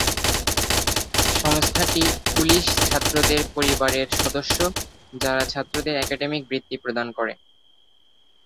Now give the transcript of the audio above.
সংস্থাটি পুলিশ ছাত্রদের পরিবারের সদস্য যারা ছাত্রদের একাডেমিক বৃত্তি প্রদান করে।